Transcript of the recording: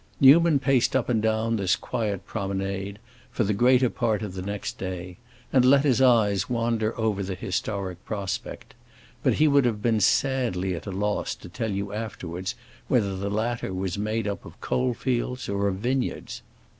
Newman paced up and down this quiet promenade for the greater part of the next day and let his eyes wander over the historic prospect; but he would have been sadly at a loss to tell you afterwards whether the latter was made up of coal fields or of vineyards.